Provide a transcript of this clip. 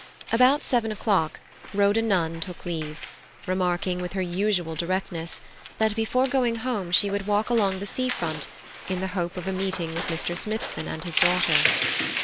About seven o'clock Rhoda Nunn took leave, remarking with her usual directness, that before going home she would walk along the sea front in the hope of a meeting with Mr. Smithson and his daughter.